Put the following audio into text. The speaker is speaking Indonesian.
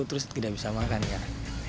terus tidak bisa makan kan